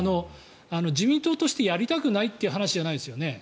自民党としてやりたくないという話じゃないですよね。